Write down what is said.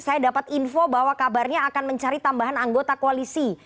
saya dapat info bahwa kabarnya akan mencari tambahan anggota koalisi